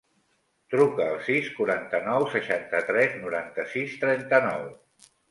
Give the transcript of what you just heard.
Truca al sis, quaranta-nou, seixanta-tres, noranta-sis, trenta-nou.